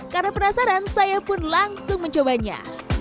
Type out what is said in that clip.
karena penasaran saya pun langsung mencoba